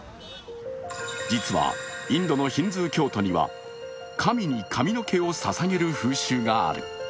実はインドのヒンズー教徒には神に髪の毛をささげる風習がある。